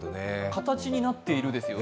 形になっている、ですよ。